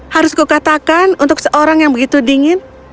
harus kukatakan untuk seorang yang begitu dingin